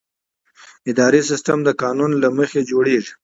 اداري سیستم د قانون له مخې جوړېږي.